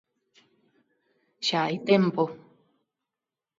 Xa hai tempo.